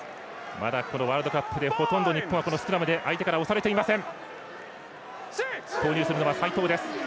まだワールドカップで日本代表、このスクラムで相手から押されていません。